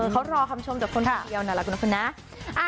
เขารอคนชมคนเดียวนะครับทุกคนนะ